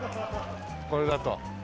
これだと。